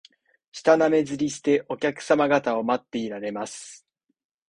舌なめずりして、お客さま方を待っていられます